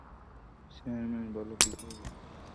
Chairman, বলো কী করবো?